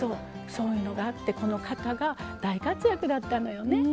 そういうのがあってこの型が大活躍だったのよね。